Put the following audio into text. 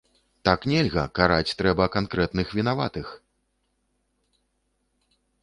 Так нельга, караць трэба канкрэтных вінаватых.